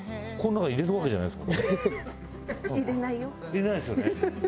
入れないですよね。